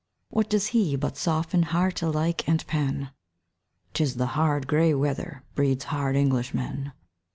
What does he but soften Heart alike and pen? 'Tis the hard gray weather Breeds hard English men.